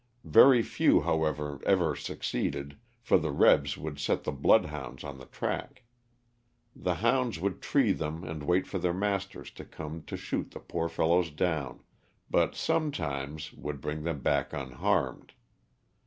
Very few, however, ever succeeded, for the *'rebs" would set the blood hounds on the track. The hounds would tree them and wait for their masters to come to shoot the poor fellows down, but sometimes would bring them back unharmed.